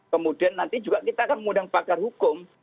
kemudian nanti juga kita akan mengundang pakar hukum